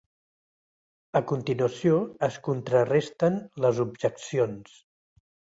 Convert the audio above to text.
A continuació, es contraresten les objeccions.